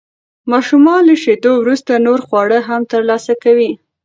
ماشومان له شیدو وروسته نور خواړه هم ترلاسه کوي.